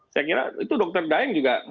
saya kira itu dokter daeng juga